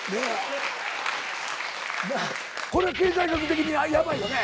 これは経済学的にヤバいよね？